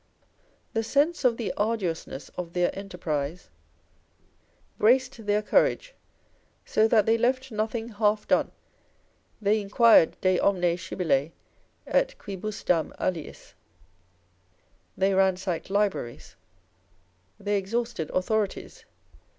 The sense of the arduousness of their enterprise braced their courage, so that they left nothing half done. They inquired de omne scibile et qidbusdam aliis. They ransacked libraries, they exhausted authorities.